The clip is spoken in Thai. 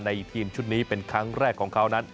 ทีมชุดนี้เป็นครั้งแรกของเขานั้น